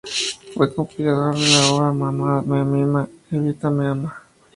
Fue compilador de la obra "Mamá me mima, Evita me ama.